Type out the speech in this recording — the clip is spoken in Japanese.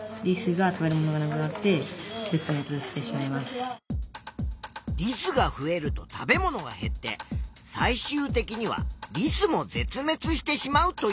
そしてリスが増えると食べ物が減って最終的にはリスも絶滅してしまうという考えだな。